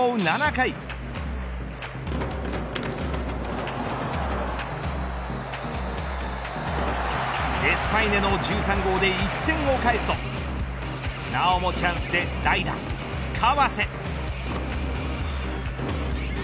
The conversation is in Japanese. ７回デスパイネの１３号で１点を返すとなおもチャンスで代打川瀬。